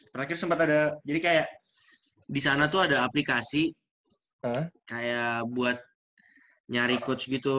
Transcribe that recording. terakhir sempet ada jadi kayak disana tuh ada aplikasi kayak buat nyari coach gitu